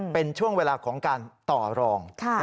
เป็นช่วงเวลาของการต่อรอง